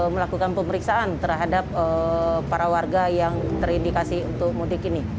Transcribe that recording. melakukan pemeriksaan terhadap para warga yang terindikasi untuk mudik ini